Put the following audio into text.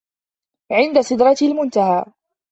عِندَ سِدرَةِ المُنتَهى